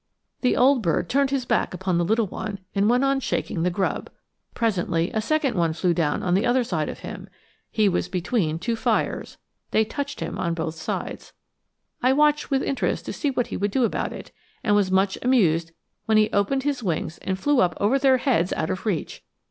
The old bird turned his back upon the little one and went on shaking the grub. Presently a second one flew down on the other side of him, he was between two fires; they touched him on both sides. I watched with interest to see what he would do about it, and was much amused when he opened his wings and flew up over their heads out of reach!